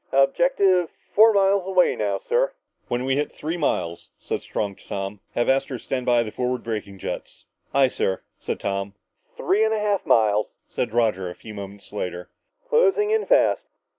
"Objective four miles away now, sir." "When we hit three miles," said Strong to Tom, "have Astro stand by the forward braking jets." "Aye, sir," said Tom. "Three and a half miles," said Roger a few moments later. "Closing in fast.